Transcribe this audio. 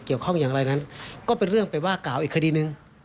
ข้องอย่างไรนั้นก็เป็นเรื่องไปว่ากล่าวอีกคดีหนึ่ง